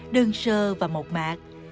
đơn sơ và một mạc